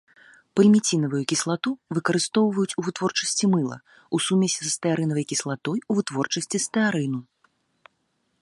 Пальміцінавую кіслату выкарыстоўваюць у вытворчасці мыла, у сумесі са стэарынавай кіслатой у вытворчасці стэарыну.